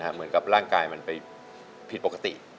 เหมือนกับร่างกายมันไปผิดปกติ